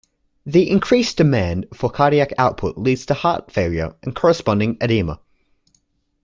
The increased demand for cardiac output leads to heart failure, and corresponding edema.